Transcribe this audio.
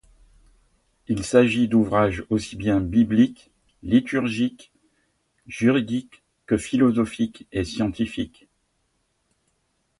Il s'agit d'ouvrages aussi bien bibliques, liturgiques, juridique que philosophiques et scientifiques.